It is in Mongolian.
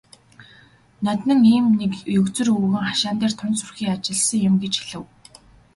"Ноднин ийм нэг егзөр өвгөн хашаан дээр тун сүрхий ажилласан юм" гэж хэлэв.